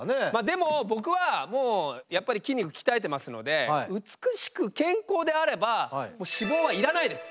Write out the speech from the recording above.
でも僕はやっぱり筋肉鍛えてますので美しく健康であればもう脂肪はいらないです。